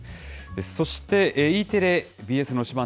そして、Ｅテレ、ＢＳの推しバン！